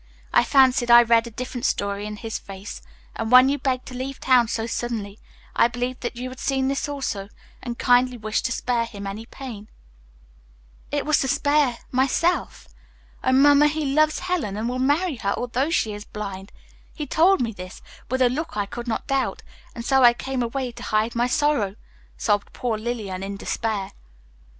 I fancied I read a different story in his face, and when you begged to leave town so suddenly, I believed that you had seen this also, and kindly wished to spare him any pain." "It was to spare myself. Oh, Mamma, he loves Helen, and will marry her although she is blind. He told me this, with a look I could not doubt, and so I came away to hide my sorrow," sobbed poor Lillian in despair.